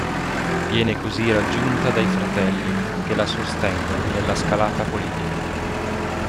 Viene così raggiunta dai fratelli, che la sostengono nella scalata politica.